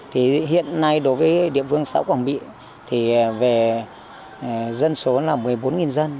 thì hiện nay đối với địa phương xã quảng bị thì về dân số là một mươi bốn dân